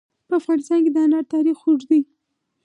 په افغانستان کې د انار تاریخ اوږد دی.